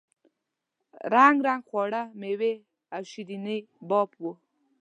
رنګ رنګ خواړه میوې او شیریني باب وو.